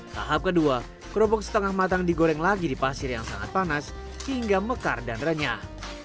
tahap kedua kerupuk setengah matang digoreng lagi di pasir yang sangat panas hingga mekar dan renyah